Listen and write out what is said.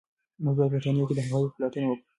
موږ باید په انټرنيټ کې د حقایقو پلټنه وکړو.